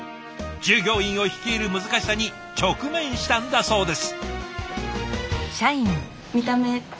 従業員を率いる難しさに直面したんだそうです。